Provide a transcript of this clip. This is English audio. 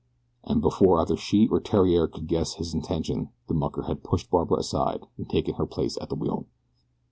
And before either she or Theriere could guess his intention the mucker had pushed Barbara aside and taken her place at the wheel.